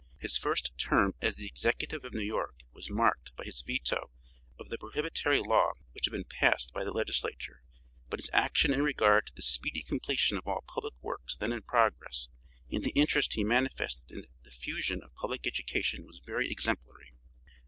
His first term as the executive of New York was marked by his veto of the prohibitory law which had been passed by the legislature, but his action in regard to the speedy completion of all public works then in progress and the interest he manifested in the diffusion of public education was very exemplary.